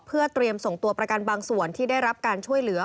เพื่อเตรียมส่งตัวประกันบางส่วนที่ได้รับการช่วยเหลือ